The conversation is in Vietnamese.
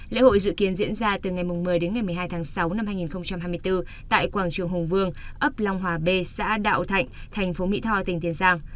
lễ hội dự kiến diễn ra từ ngày một mươi đến ngày một mươi hai tháng sáu năm hai nghìn hai mươi bốn tại quảng trường hùng vương ấp long hòa b xã đạo thạnh thành phố mỹ tho tỉnh tiền giang